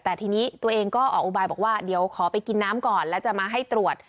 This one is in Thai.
แต่ทีนี้ตัวเองก็ออกอุบายบอกว่าเดี๋ยวขอไปกินน้ำก่อนแล้วจะมาให้ตรวจ